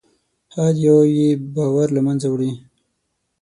هر یو یې باور له منځه وړي.